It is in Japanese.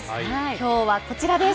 きょうはこちらです。